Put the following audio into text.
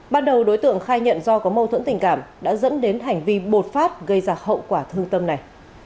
ban đầu đối tượng khai nhận do có mâu thuẫn tình cảm đã dẫn đến hành vi bột phát gây ra hậu quả thương tâm này